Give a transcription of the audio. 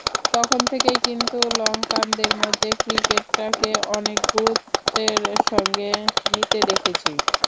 তখন থেকেই কিন্তু লঙ্কানদের মধ্যে ক্রিকেটটাকে অনেক গুরুত্বের সঙ্গে নিতে দেখেছি।